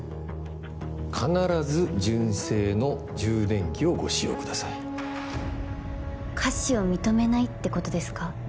「必ず純正の充電器をご使用ください」瑕疵を認めないってことですか？